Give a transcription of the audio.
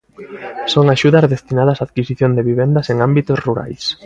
Son axudas destinadas á adquisición de vivendas en ámbitos rurais.